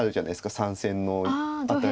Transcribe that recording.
３線のアタリ。